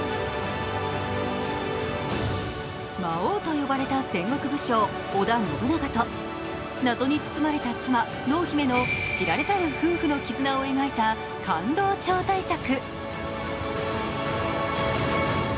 魔王と呼ばれた戦国武将・織田信長と、謎に包まれた妻・濃姫の知られざる夫婦の絆を描いた感動超大作。